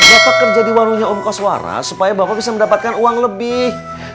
bapak kerja di warungnya ongkos wara supaya bapak bisa mendapatkan uang lebih